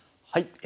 はい。